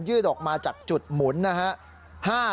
ยืดออกมาจากจุดหมุนนะครับ